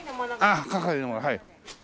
あっ係の者はい。